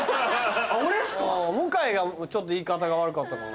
向井がちょっと言い方が悪かったかな。